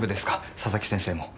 佐々木先生も。